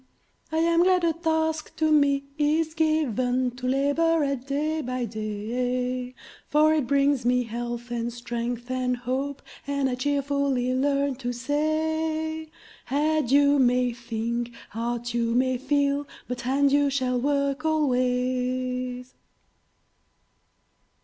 I am glad a task to me is given To labor at day by day; For it brings me health, and strength, and hope, And I cheerfully learn to say 'Head, you may think; heart, you may feel; But hand, you shall work always!'